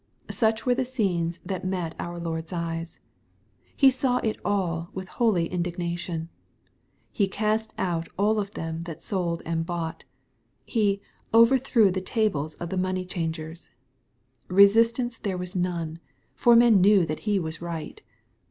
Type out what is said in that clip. Such were the scenes that met our Lord's eyes. He saw it all with holy indignation. " He cast out all them that sold and bought." He " overthrew the tables of the money changers." Resistance there was none, for men knew that He was right.